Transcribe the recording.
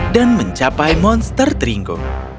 dan mencapai monster trigo